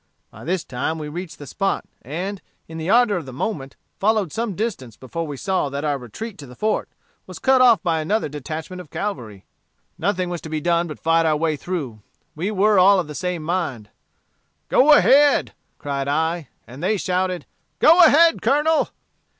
By this time we reached the spot, and, in the ardor of the moment, followed some distance before we saw that our retreat to the fort was cut off by another detachment of cavalry. Nothing was to be done but fight our way through. We were all of the same mind. 'Go ahead!' cried I; and they shouted, 'Go ahead, Colonel!'